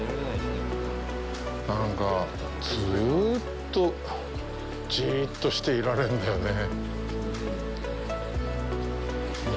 なんか、ずうっと、じいっとしていられるんだよねぇ。